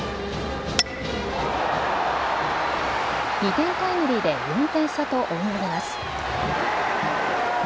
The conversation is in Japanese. ２点タイムリーで４点差と追い上げます。